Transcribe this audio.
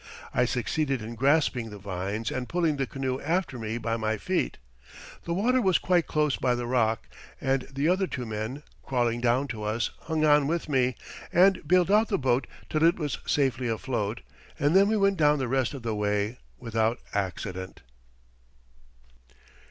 I succeeded in grasping the vines and pulling the canoe after me by my feet. The water was quite close by the rock, and the other two men, crawling down to us, hung on with me, and bailed out the boat till it was safely afloat, and then we went down the rest of the way without accident."